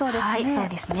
そうですね。